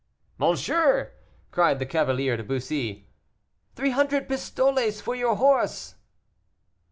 "Monsieur!" cried the cavalier to Bussy, "three hundred pistoles for your horse!"